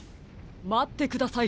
まってください